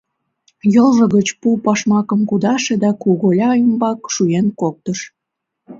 Йолжо гыч пу пашмакшым кудаше да куголя ӱмбак шуэн колтыш.